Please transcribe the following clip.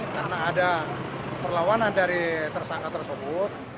karena ada perlawanan dari tersangka tersebut